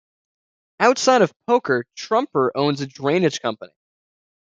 Outside of poker, Trumper owns a drainage company.